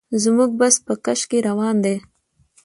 زموږ بس په کش کې روان دی.